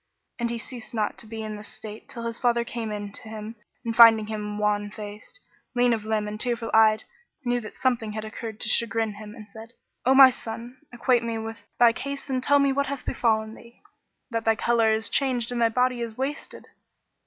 [FN#10] And he ceased not to be in this state till his father came in to him and finding him wan faced, lean of limb and tearful eyed, knew that something had occurred to chagrin him and said, "O my son, acquaint me with thy case and tell me what hath befallen thee, that thy colour is changed and thy body is wasted.